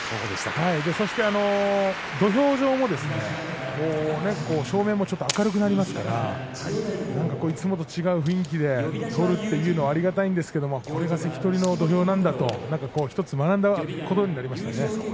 そして土俵上もっと照明も明るくなりますからいつもと違う雰囲気で取れるというのはありがたいですけどもこれが関取の土俵なんだと学んだことがあります。